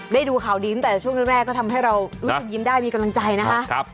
ดูข่าวดีตั้งแต่ช่วงแรกก็ทำให้เรารู้สึกยิ้มได้มีกำลังใจนะคะ